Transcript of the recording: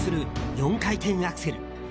４回転アクセル。